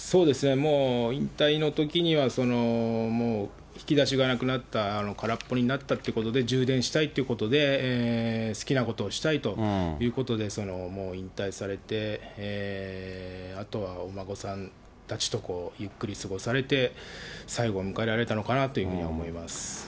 もう引退のときには、もう引き出しがなくなった、空っぽになったということで、充電したいっていうことで、好きなことをしたいということで、引退されて、あとはお孫さんたちとゆっくり過ごされて、最期を迎えられたのかなというふうに思います。